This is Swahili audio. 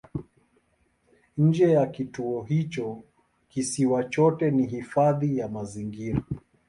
Nje ya kituo hicho kisiwa chote ni hifadhi ya mazingira.